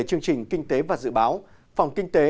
chương trình kinh tế và dự báo phòng kinh tế